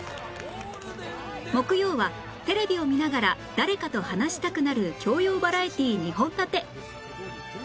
木曜はテレビを見ながら誰かと話したくなる教養バラエティー２本立て